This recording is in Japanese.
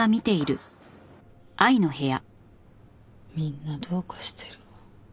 みんなどうかしてるわ。